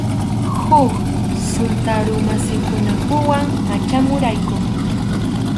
Huk sultarumasikunapuwan machamurayku.